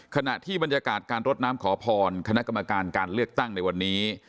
ขณะที่บรรยากาศการรดน้ำขอพรคณะกรรมการการเลือกตั้งในวันนี้